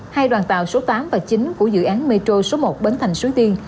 hai đoàn tàu số tám và chín của dự án metro số một bến thành suối tiên